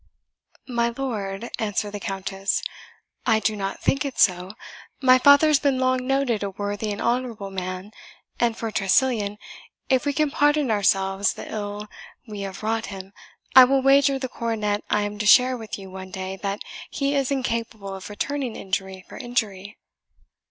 "My lord," answered the Countess, "I do not think it so. My father has been long noted a worthy and honourable man; and for Tressilian, if we can pardon ourselves the ill we have wrought him, I will wager the coronet I am to share with you one day that he is incapable of returning injury for injury."